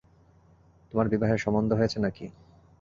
তোমার বিবাহের সম্বন্ধ হয়েছে না কি?